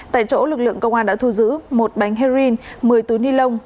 tại chỗ lực lượng công an đã thu giữ một bánh heroin một mươi túi ni lông